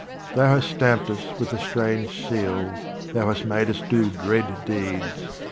Thou hast stamped us with a strange seal, Thou hast made us do dread deeds.